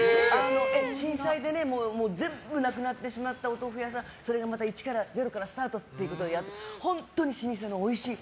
震災で全部なくなってしまったお豆腐屋さんそれがゼロからスタートってことでやってて本当に老舗のおいしい。